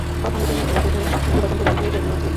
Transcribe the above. করকন্ড জৈন ও বৌদ্ধ উভয় সম্প্রদায়ের পূজনীয় ছিলেন।